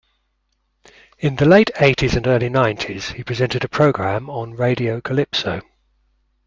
In the late eighties and early nineties he presented a program on Radio Calypso.